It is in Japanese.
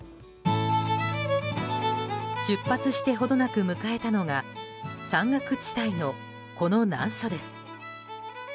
出発して程なく迎えたのが山岳地帯のこの難所です。